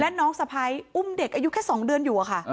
และน้องสะพ้ายอุ้มเด็กอายุแค่สองเดือนอยู่อ่ะค่ะอ๋อ